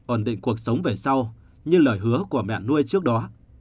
ổn định cuộc sống về sau như lời hứa của mẹ nuôi trước đó